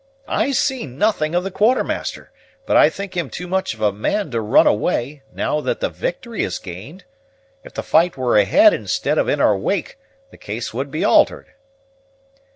"I see nothing of the Quartermaster; but I think him too much of a man to run away, now that the victory is gained. If the fight were ahead instead of in our wake, the case would be altered."